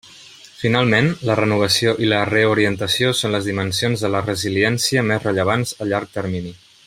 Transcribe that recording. Finalment, la renovació i la reorientació són les dimensions de la resiliència més rellevants a llarg termini.